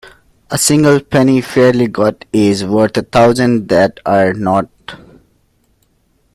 A single penny fairly got is worth a thousand that are not.